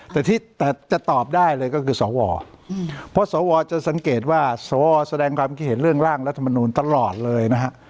แต่ที่แต่จะตอบได้เลยก็คือสวเพราะสวจะสังเกตว่าสวแสดงความคิดเห็นเรื่องร่างรัฐมนูลตลอดเลยนะฮะ